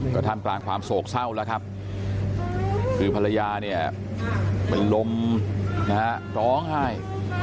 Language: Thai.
ก็ท่ามกลางความโศกเศร้าแล้วครับคือภรรยาเนี่ยเป็นลมนะฮะร้องไห้